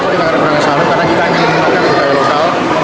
kenapa kita menggunakan sarung karena kita ingin menggunakan budaya lokal